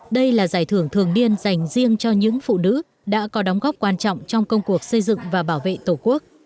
đây là giải thưởng thường niên dành riêng cho những phụ nữ đã có đóng góp quan trọng trong công cuộc xây dựng và bảo vệ tổ quốc